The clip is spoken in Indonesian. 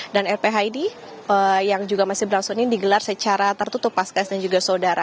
dan rph ini yang juga masih berlangsung ini digelar secara tertutup pak sekarang dan juga saudara